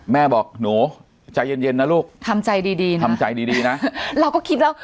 แม่บอกหนูใจเย็นเย็นนะลูกทำใจดีดีนะทำใจดีดีนะเราก็คิดแล้ว